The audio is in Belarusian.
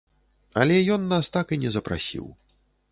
Але ён нас так і не запрасіў.